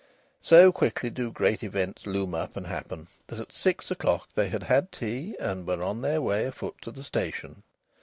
So quickly do great events loom up and happen that at six o'clock they had had tea and were on their way afoot to the station.